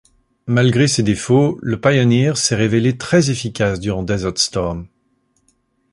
Malgré ses défauts le Pioneer s’est révélé très efficace durant Desert Storm.